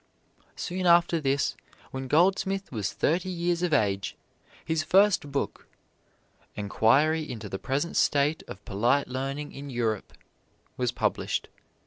Soon after this, when Goldsmith was thirty years of age, his first book, "Enquiry Into the Present State of Polite Learning in Europe," was published.